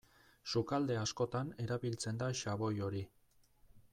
Sukalde askotan erabiltzen da xaboi hori.